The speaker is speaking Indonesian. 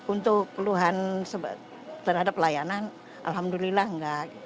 untuk keluhan terhadap pelayanan alhamdulillah enggak